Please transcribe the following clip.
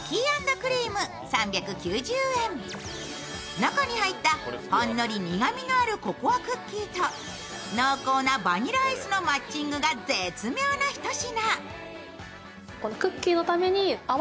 中に入った、ほんのり苦みのあるココアクッキーと濃厚なバニラアイスのマッチングが絶妙なひと品。